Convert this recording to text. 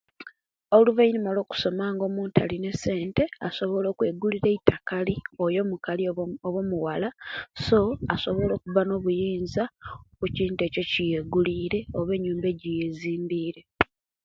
Oluvaanfuma olwo'kusoma, nga omuntu alina esente, asobola okwegulira eitakali, oyo omukali, oba omuwala, so asobola okuba no obuyinza, kukintu ekyo ekyeyegulire, oba enyumba ejeyezimbire.